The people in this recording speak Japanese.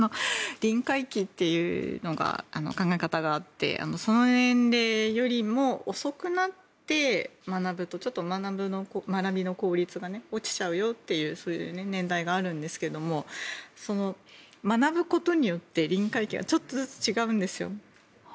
臨界期という考え方があってその年齢よりも遅くなって学ぶとちょっと学びの効率が落ちちゃうよというそういう年代があるんですがその学ぶことによって臨界期はちょっとずつ違うんですよ。